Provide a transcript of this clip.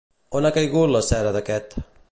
On ha caigut la cera d'aquest?